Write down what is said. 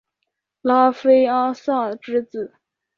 拉菲阿斯之子。